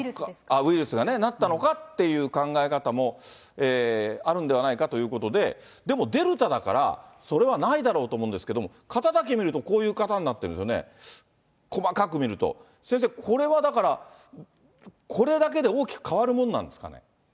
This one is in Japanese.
ウイルスがね、なったのかっていう考え方もあるんではないかということで、でもデルタだから、それはないだろうと思うんですけども、型だけ見ると、こういう型になってるんですよね、細かく見ると、先生、これはだから、これだけで大きく変わるもんなんですかね。